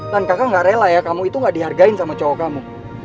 kakak gak rela ya kamu itu gak dihargai sama cowok kamu